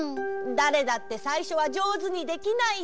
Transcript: だれだってさいしょはじょうずにできないよ。